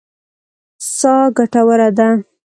سا ګټوره ده.